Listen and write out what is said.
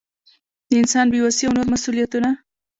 د انسان بې وسي او نور مسؤلیتونه.